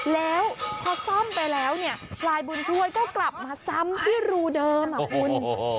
แล้วพอซ่อมไปแล้วเนี่ยพลายบุญช่วยก็กลับมาซ้ำที่รูเดิมอ่ะคุณ